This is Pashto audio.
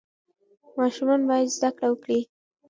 ماشومان باید زده کړه وکړي.